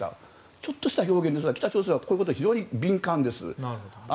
ちょっとした表現ですが北朝鮮はこういうことに非常に敏感です。